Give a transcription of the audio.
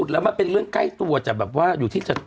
แล้วมันเป็นเรื่องใกล้ตัวจะแบบว่าอยู่ที่จะ